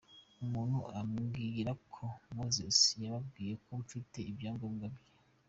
Umuntu ambwira ko Moses yababwiye ko mfite ibyangombwa bye.